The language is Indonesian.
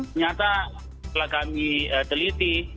ternyata setelah kami teliti